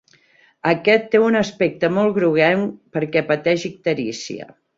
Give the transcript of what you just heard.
Aquest té un aspecte molt groguenc perquè pateix icterícia.